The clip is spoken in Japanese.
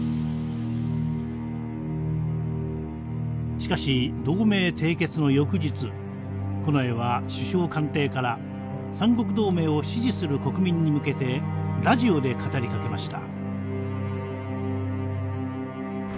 しかし同盟締結の翌日近衛は首相官邸から三国同盟を支持する国民に向けてラジオで語りかけました。